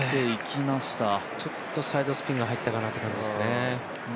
ちょっとサイドスピンが入ったかなという感じでしたけどね。